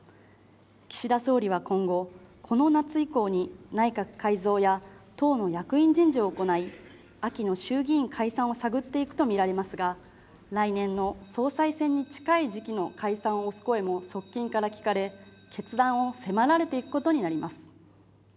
岸田総理は今後、この夏以降に内閣改造や党の役員人事を行い、秋の衆議院解散を探っていくとみられますが、来年の総裁選に近い時期の解散を推す声も側近から聞かれ、決断を迫られていくことになります。